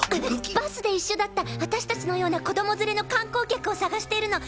バスで一緒だった私達のような子供連れの観光客を捜してるの！